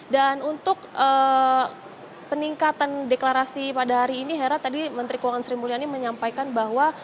dan untuk peningkatan deklarasi pada hari ini hera tadi menteri keuangan sri mulyani menyampaikan bahwa